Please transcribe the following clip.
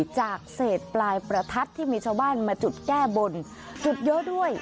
จากเศษปลายประทัดที่มีชาวบ้านมาจุดแก้บนจุดเยอะด้วย